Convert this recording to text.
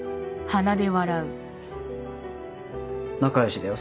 仲良しだよ